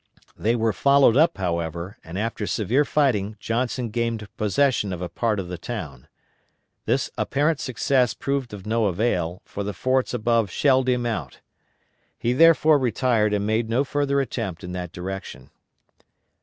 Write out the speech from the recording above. They were followed up however, and after severe fighting Johnson gained possession of a part of the town. This apparent success proved of no avail, for the forts above shelled him out. He therefore retired and made no further attempt in that direction.